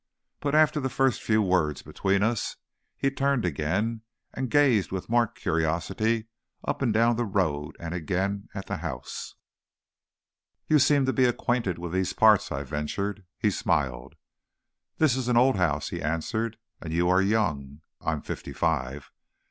But after the first few words between us he turned again and gazed with marked curiosity up and down the road and again at the house. "You seem to be acquainted with these parts," I ventured. He smiled. "This is an old house," he answered, "and you are young." (I am fifty five.)